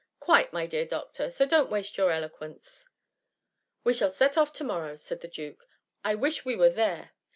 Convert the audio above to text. ^*^ Quite, my dear doctor, so don'^t waste your eloquence.^' ^^ We shall set off to morrow,'^ said the duke: " I wish we were there."